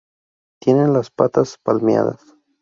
Tienen las patas palmeadas.